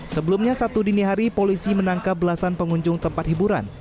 sebelumnya sabtu dini hari polisi menangkap belasan pengunjung tempat hiburan